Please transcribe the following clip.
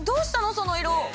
その色！